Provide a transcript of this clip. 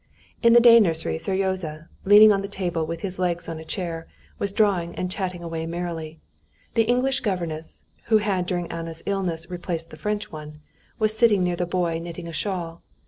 In the day nursery Seryozha, leaning on the table with his legs on a chair, was drawing and chatting away merrily. The English governess, who had during Anna's illness replaced the French one, was sitting near the boy knitting a shawl.